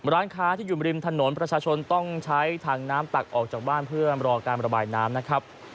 ร้านค้าที่อยู่ริมถนนประชาชนต้องใช้ถังน้ำตักออกจากบ้านเพื่อรอการระบายน้ำนะครับ